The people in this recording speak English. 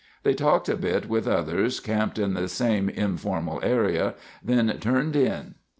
They talked a bit with others camped in the same informal area, then turned in.